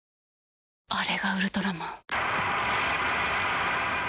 あれがウルトラマン。